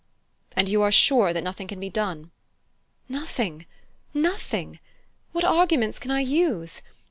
"And you are sure that nothing can be done?" "Nothing, nothing: what arguments can I use?